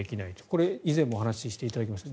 これ、以前もお話ししていただきました。